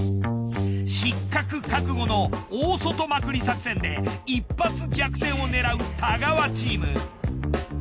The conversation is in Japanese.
失格覚悟の大外まくり作戦で一発逆転を狙う太川チーム。